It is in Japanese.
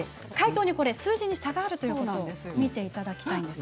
数字に差があるということを見ていただきたいです。